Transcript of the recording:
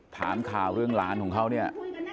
ถามข่าวเรื่องหลานของเขาเนี่ย